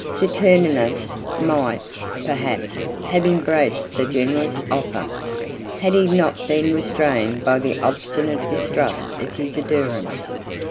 52 Saturninus might, perhaps, have embraced the generous offer, had he not been restrained by the obstinate distrust of his adherents.